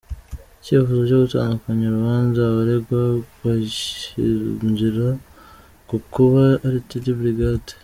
Icyifuzo cyo gutandukanya urubanza abaregwa bagishingira ku kuba Rtd Brig.